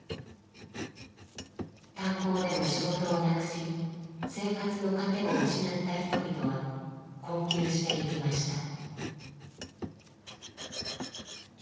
炭鉱での仕事をなくし生活の糧を失った人々は困窮していきました。